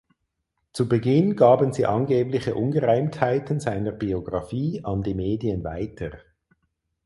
Zu Beginn gaben sie angebliche Ungereimtheiten seiner Biografie an die Medien weiter.